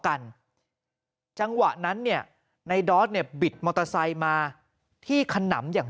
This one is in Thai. กันจังหวะนั้นเนี่ยในดอสเนี่ยบิดมอเตอร์ไซค์มาที่ขนำอย่าง